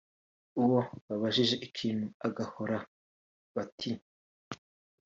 uwo babajije ikintu agahora bati